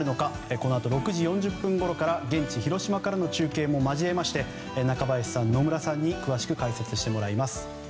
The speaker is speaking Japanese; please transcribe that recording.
このあと６時４０分ごろから現地・広島からの中継を交えまして中林さん、野村さんに詳しく解説していただきます。